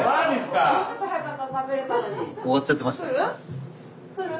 終わっちゃってました。